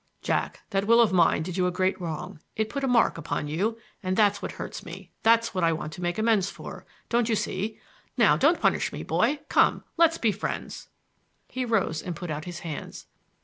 "Jack, that will of mine did you a great wrong; it put a mark upon you, and that's what hurts me, that's what I want to make amends for! Don't you see? Now don't punish me, boy. Come! Let us be friends!" He rose and put out his hands.